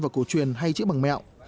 và cổ truyền hay chữ bằng mẹo